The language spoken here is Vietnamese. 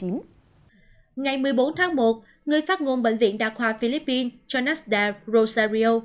ngày một mươi bốn tháng một người phát ngôn bệnh viện đa khoa philippines chonasda rosario